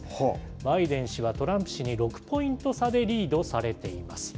バイデン氏はトランプ氏に６ポイント差でリードされています。